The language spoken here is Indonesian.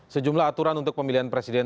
sejumlah aturan untuk pemilihan presiden